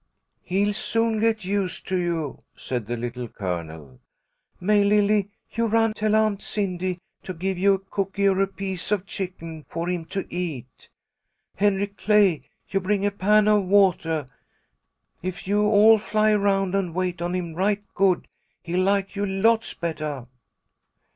"He'll soon get used to you," said the Little Colonel. "May Lily, you run tell Aunt Cindy to give you a cooky or a piece of chicken for him to eat. Henry Clay, you bring a pan of watah. If you all fly around and wait on him right good, he'll like you lots bettah."